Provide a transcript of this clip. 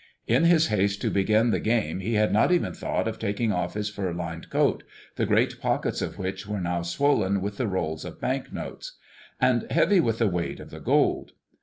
In his haste to begin the game he had not even thought of taking off his fur lined coat, the great pockets of which were now swollen with the rolls of bank notes, and heavy with the weight of the gold.